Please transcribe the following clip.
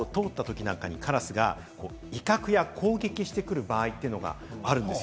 近くを通った時などにカラスが威嚇や攻撃してくる場合というのがあるんです。